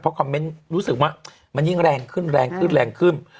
เพราะคอมเมนต์รู้สึกว่ามันยิ่งแรงขึ้น